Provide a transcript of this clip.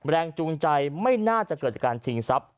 แรงจูงใจไม่น่าจะเกิดจากการชิงทรัพย